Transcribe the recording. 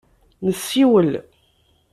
Nessiwel.